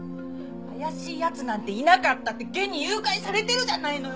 怪しい奴なんていなかったって現に誘拐されてるじゃないのよ！